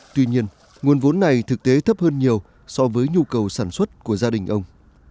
tuy nhiên nguồn vốn này thực tế thấp hơn nhiều so với nhu cầu sản xuất của gia đình ông